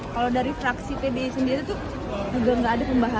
kalau dari fraksi pdi sendiri itu juga nggak ada pembahasan